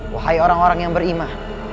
wahai orang orang yang berimah